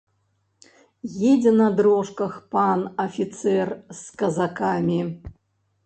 Едзе на дрожках пан афіцэр з казакамі.